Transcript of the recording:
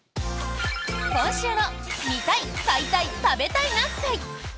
今週の「見たい買いたい食べたいな会」。